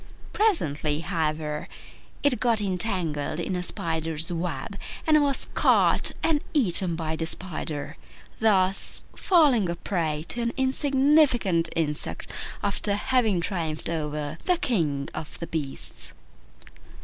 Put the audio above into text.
Presently, however, it got entangled in a spider's web, and was caught and eaten by the spider, thus falling a prey to an insignificant insect after having triumphed over the King of the Beasts.